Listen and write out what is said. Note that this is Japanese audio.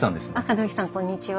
門脇さんこんにちは。